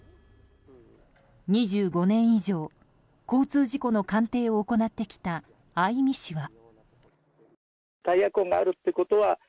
２５年以上、交通事故の鑑定を行ってきた相見氏は。